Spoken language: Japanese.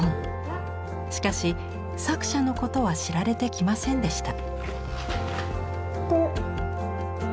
しかし作者のことは知られてきませんでした。